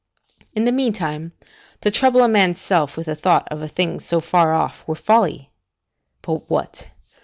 In the meantime, to trouble a man's self with the thought of a thing so far off were folly. But what?